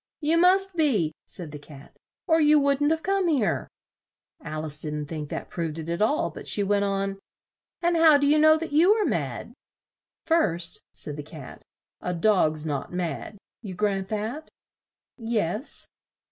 "You must be," said the Cat, "or you wouldn't have come here." Al ice didn't think that proved it at all, but she went on; "and how do you know that you are mad?" "First," said the Cat, "a dog's not mad. You grant that?" "Yes."